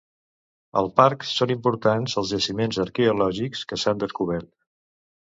Al parc són importants els jaciments arqueològics que s'han descobert.